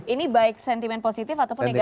ini baik sentimen positif ataupun negatif